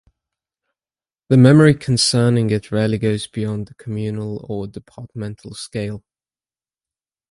The memory concerning it rarely goes beyond the communal or departmental scale.